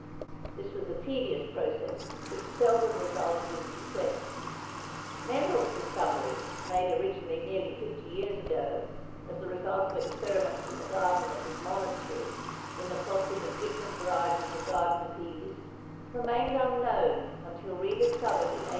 This was a tedious process which seldom resulted in success. Mendel's discoveries, made originally nearly 50 years ago, as the result of experiments in the garden of his monastery, in the crossing of different varieties of garden peas, remained unknown until rediscovered in 1899.